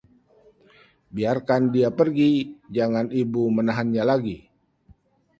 biarkan dia pergi, jangan Ibu menahannya lagi